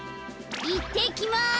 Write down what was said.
いってきます！